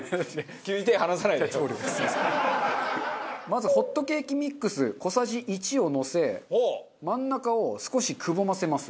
まずはホットケーキミックス小さじ１をのせ真ん中を少しくぼませます。